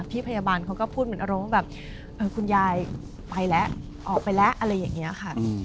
พี่พยาบาลเขาก็พูดเหมือนอารมณ์ว่าแบบคุณยายไปแล้วออกไปแล้วอะไรอย่างนี้ค่ะ